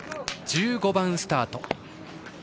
１５番スタート